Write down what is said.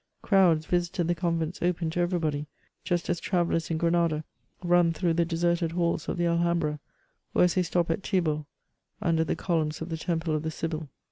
Crowds visited the convents open to every body, just as travellers in Granada run through the deserted halls of the Alhambra, or as they stop at Tibur, under the columns of the temple of the Sibyll.